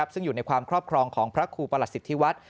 ซึ่งอยู่ในความครอบครองของพระครูประหลัสสิทธิวัฒน์